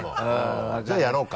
じゃあやろうか。